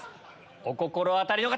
お心当たりの方！